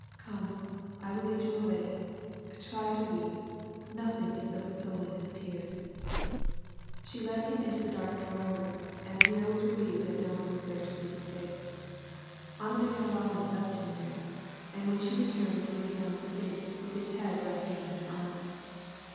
" Come, I will lead you away. Try to weep. Nothing is so consoling as tears." * She led hina into the dark drawing room, and Pierre was relieved that no one was there to see his face. Anna Mikhai lovna left him there, and when she returned he was sound asleep, with his head resting on his arm.